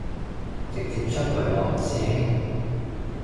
直接出櫃喎師兄